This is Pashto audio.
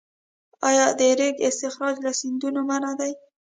آیا د ریګ استخراج له سیندونو منع دی؟